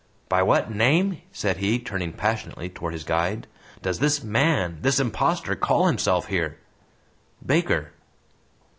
"By what name," said he, turning passionately towards his guide, "does this man this impostor call himself here?" "Baker."